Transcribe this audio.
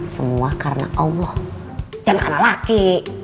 semua karena allah dan anak laki